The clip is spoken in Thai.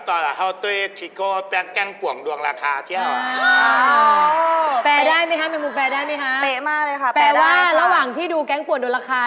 เกิดอาวุธตัวเขาต้องร่วมแก๊งป่วนดัวราคา